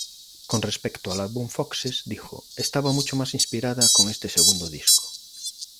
Con respecto al álbum Foxes dijo: "Estaba mucho más inspirada con este segundo disco.